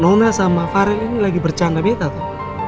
nona sama farel ini lagi bercanda beta tuh